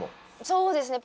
そうですね。